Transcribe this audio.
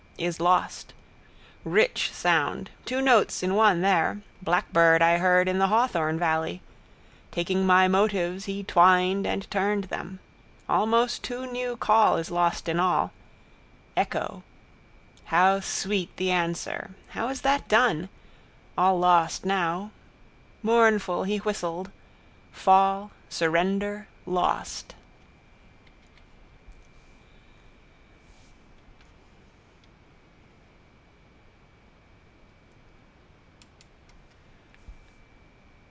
Is lost. Rich sound. Two notes in one there. Blackbird I heard in the hawthorn valley. Taking my motives he twined and turned them. All most too new call is lost in all. Echo. How sweet the answer. How is that done? All lost now. Mournful he whistled. Fall, surrender, lost.